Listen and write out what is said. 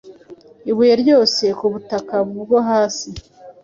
Ibuye ryose ku butaka bwo hasi,